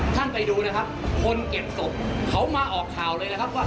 ท่านไปดูนะครับคนเก็บศพเขามาออกข่าวเลยนะครับว่า